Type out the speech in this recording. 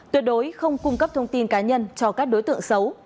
tuyệt đối không cung cấp thông tin cá nhân cho các đối tượng xấu